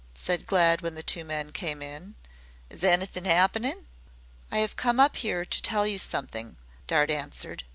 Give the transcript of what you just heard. said Glad when the two men came in. "Is anythin' 'appenin'?" "I have come up here to tell you something," Dart answered.